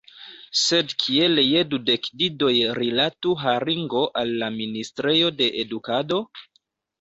Sed kiel je dudek didoj rilatu haringo al la ministrejo de edukado?